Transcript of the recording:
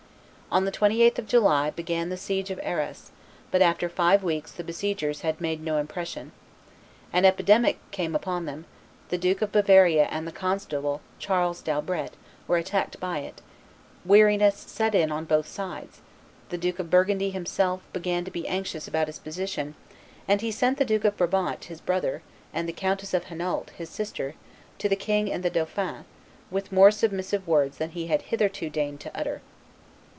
On the 28th of July began the siege of Arras; but after five weeks the besiegers had made no impression; an epidemic came upon them; the Duke of Bavaria and the constable, Charles d'Albret, were attacked by it; weariness set in on both sides; the Duke of Burgundy' himself began to be anxious about his position; and he sent the Duke of Brabant, his brother, and the Countess of Hainault, his sister, to the king and the dauphin, with more submissive words than he had hitherto deigned to utter.